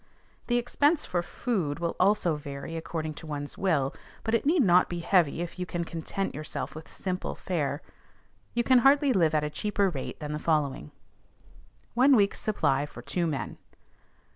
The expense for food will also vary according to one's will; but it need not be heavy if you can content yourself with simple fare. You can hardly live at a cheaper rate than the following: ONE WEEK'S SUPPLY FOR TWO MEN.